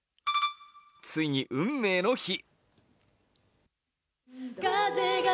ついに運命の日。